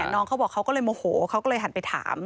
น้องเขาบอกเขาก็เลยโมโหเขาก็เลยหันไปถาม